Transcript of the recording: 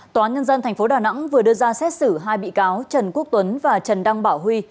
tòa nhân dân tp đà nẵng vừa đưa ra xét xử hai bị cáo trần quốc tuấn và trần đăng bảo huy